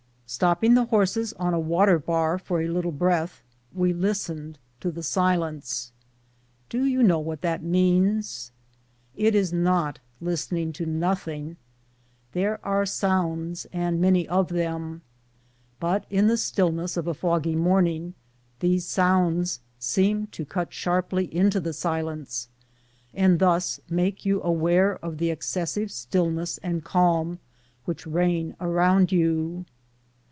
Stopping the horses on a water bar for a little breath, we listened to the silence. Do you know what that means ? It is not listening to noth ing. There are sounds and many of them ; but in the stillness of a foggy morning these sounds seem to cut sharply into the silence, and thus make you aware of the excessive stillness and calm which reign around you.